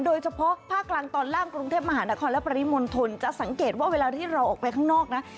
โดยเฉพาะภาคกลางตอนล่างกรุงเทพมหานครและปริมณฑลจะสังเกตว่าเวลาที่เราออกไปข้างนอกนะ